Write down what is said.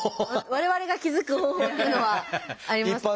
我々が気付く方法っていうのはありますか？